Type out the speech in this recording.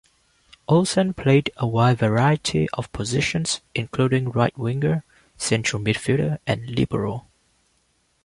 Olsen played a wide variety of positions, including right winger, central midfielder, and libero.